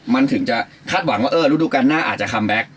มันถึงจะคาดหวังว่าเออฤดูการหน้าอาจจะคัมแบ็ค